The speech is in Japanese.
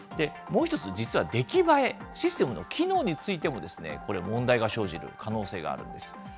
もう一つ、実は出来栄え、システムの機能についても、これ、問題が生じる可能性があります。